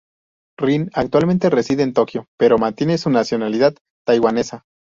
Rin actualmente reside en Tokio pero mantiene su nacionalidad taiwanesa.